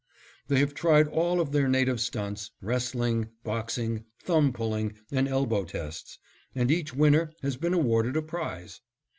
They have tried all of their native stunts, wrestling, boxing, thumb pulling, and elbow tests; and each winner has been awarded a prize.